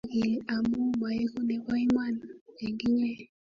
kyagil amu maegu nebo Iman eng inye